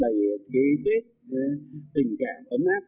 đầy kế tết tình cảm ấm áp